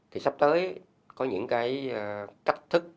thì sắp tới có những cái thách thức